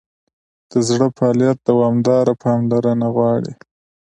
د زړه فعالیت دوامداره پاملرنه غواړي.